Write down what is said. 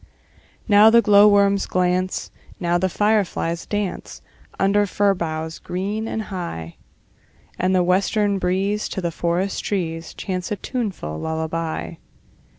Now the glowworms glance, Now the fireflies dance, Under fern boughs green and high; And the western breeze To the forest trees Chants a tuneful lullaby.